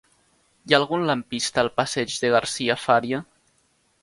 Hi ha algun lampista al passeig de Garcia Fària?